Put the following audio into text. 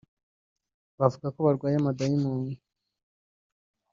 bavuga ko barwaye amadayimoni